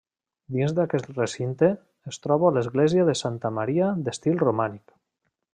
Dins d'aquest recinte es troba l'església de Santa Maria d'estil romànic.